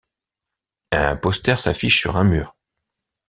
Un poster s'affiche sur un mur.